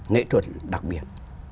nghệ thuật đặc biệt